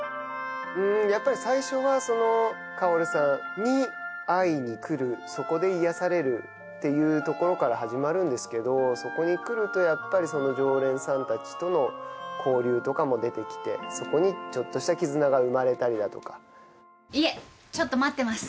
やっぱり最初は香さんに会いに来るそこで癒やされるっていうところから始まるんですけどそこに来るとやっぱり常連さん達との交流とかも出てきてそこにちょっとした絆が生まれたりだとかいえちょっと待ってます